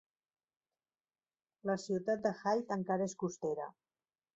La ciutat de Hythe encara és costera.